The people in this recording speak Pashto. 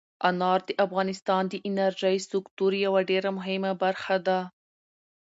انار د افغانستان د انرژۍ سکتور یوه ډېره مهمه برخه ده.